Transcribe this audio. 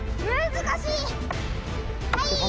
舛難しい！